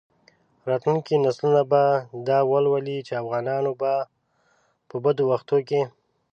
راتلونکي نسلونه به دا ولولي چې افغانانو په بدو وختونو کې.